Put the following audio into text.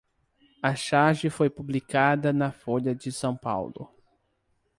A charge foi publicada na Folha de São Paulo